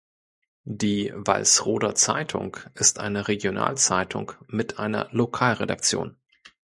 Die "Walsroder Zeitung" ist eine Regionalzeitung mit einer Lokalredaktion.